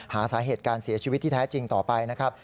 หาสาเหตุการเสียชีวิตที่แท้จริงต่อไปนะครับ